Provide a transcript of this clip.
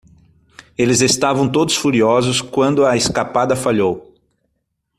Eles estavam todos furiosos quando a escapada falhou.